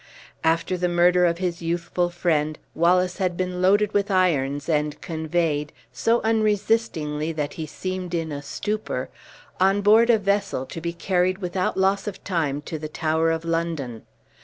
After the murder of his youthful friend, Wallace had been loaded with irons, and conveyed, so unresistingly that he seemed in a stupor, on board a vessel, to be carried without loss of time to the Tower of London.